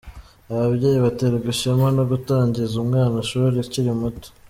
Ababyeyi baterwa ishema no gutangiza umwana ishuri akiri muto.